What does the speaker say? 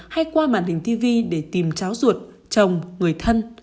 hay qua màn hình tv để tìm cháu ruột chồng người thân